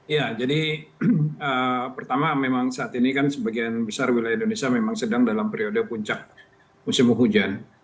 ya jadi pertama memang saat ini kan sebagian besar wilayah indonesia memang sedang dalam periode puncak musim hujan